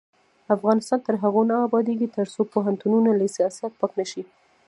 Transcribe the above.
افغانستان تر هغو نه ابادیږي، ترڅو پوهنتونونه له سیاست پاک نشي.